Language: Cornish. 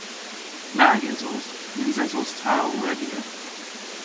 Nag esos. Nyns esos ta ow redya.